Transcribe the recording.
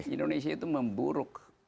indonesia itu memburuk